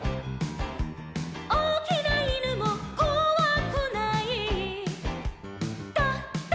「おおきないぬもこわくない」「ドド」